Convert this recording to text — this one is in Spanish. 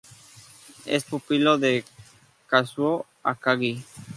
Es pupilo de Kazuo Akagi.